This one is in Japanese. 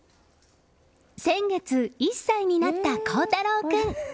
先月１歳になった鋼太朗君。